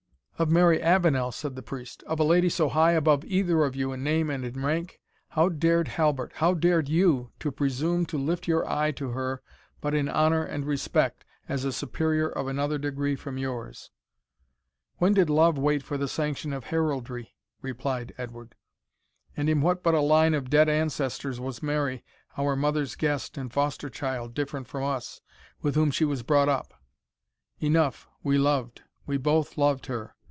"Of Mary Avenel!" said the Priest "of a lady so high above either of you in name and in rank? How dared Halbert how dared you, to presume to lift your eye to her but in honour and respect, as a superior of another degree from yours?" "When did love wait for the sanction of heraldry?" replied Edward; "and in what but a line of dead ancestors was Mary, our mother's guest and foster child, different from us, with whom she was brought up? Enough, we loved we both loved her!